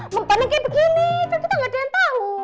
mempengen kayak begini itu kita gak ada yang tau